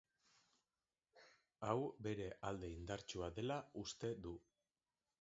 Hau bere alde indartsua dela uste du.